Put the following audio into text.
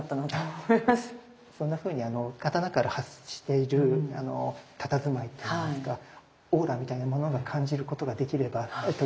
そんなふうに刀から発しているあのたたずまいっていいますかオーラみたいなものが感じることができればとてもいいと思います。